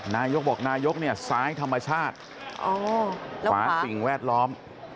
นายกบอกนายกเนี่ยซ้ายธรรมชาติขวานสิ่งแวดล้อม